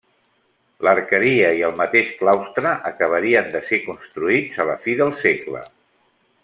L'arqueria i el mateix claustre acabarien de ser construïts a la fi del segle.